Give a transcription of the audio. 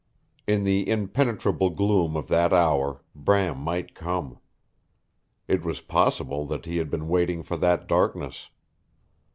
In the impenetrable gloom of that hour Bram might come. It was possible that he had been waiting for that darkness.